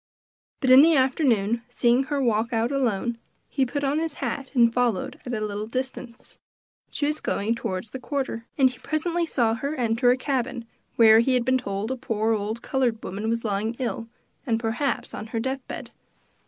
But in the afternoon, seeing her walk out alone, he put on his hat and followed at a little distance. She was going toward the quarter, and he presently saw her enter a cabin where, he had been told, a poor old colored woman was lying ill, perhaps on her death bed.